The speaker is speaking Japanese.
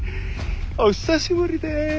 お久しぶりです。